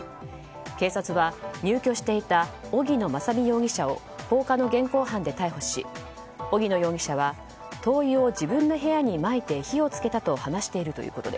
警察は入居していた荻野正美容疑者を放火の現行犯で逮捕し荻野容疑者は灯油を自分の部屋にまいて火をつけたと